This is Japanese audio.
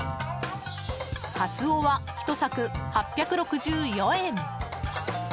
カツオは１柵、８６４円。